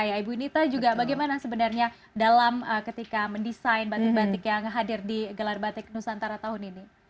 ya ibu nita juga bagaimana sebenarnya dalam ketika mendesain batik batik yang hadir di gelar batik nusantara tahun ini